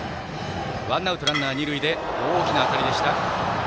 ワンアウト、ランナー、二塁で大きな当たりでした。